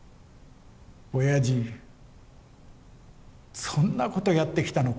おやじそんなことやってきたのか。